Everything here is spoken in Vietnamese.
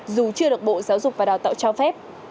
dù chưa được bộ giáo dục và đào tạo cho phép